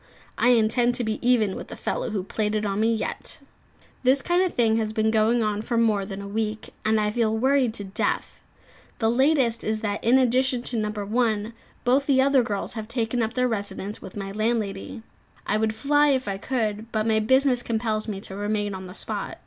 I intend to be even with the fellow who played it on me, yet. This kind of thing has been going on for more than a week, and I feel worried to death. The latest is that, in addition to No. 1, both the other girls have taken up their residence with my landlady. I would fly if I could, but my business compels me to remain on the spot.